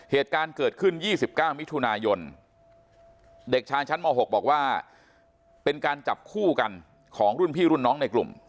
เหตุการณ์เกิดขึ้น๒๙มิถุนายนเด็กชายชั้นม๖บอกว่าเป็นการจับคู่กันของรุ่นพี่รุ่นน้องในกลุ่ม